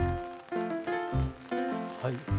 はい。